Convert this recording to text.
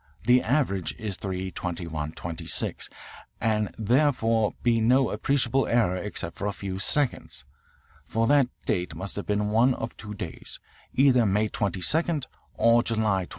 The average is 3 :21 :26, and there can therefore be no appreciable error except for a few seconds. For that date must have been one of two days, either May 22 or July 22.